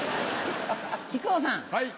木久扇さん。